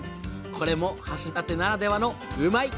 これも橋立ならではのうまいッ！